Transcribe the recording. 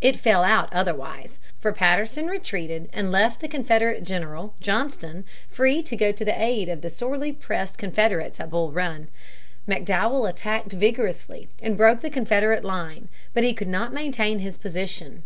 It fell out otherwise, for Patterson retreated and left the Confederate general, Johnston, free to go to the aid of the sorely pressed Confederates at Bull Run. McDowell attacked vigorously and broke the Confederate line; but he could not maintain his position.